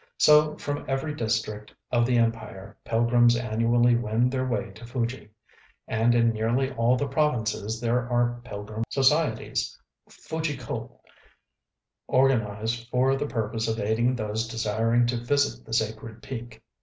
So from every district of the Empire pilgrims annually wend their way to Fuji; and in nearly all the provinces there are pilgrim societies Fuji K┼Ź, organized for the purpose of aiding those desiring to visit the sacred peak.